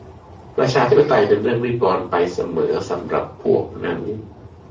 ประชาธิปไตยเป็นเรื่องรีบร้อนไปเสมอสำหรับพวกนั้น